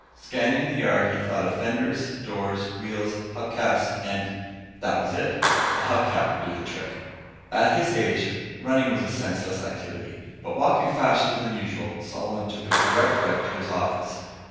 Scanning the yard he thought of fenders, doors, wheels, hub caps and ... that was it. A hub cap would do the trick. At his age, running was a senseless activity, but walking faster than usual, Solomon took a direct route to his office.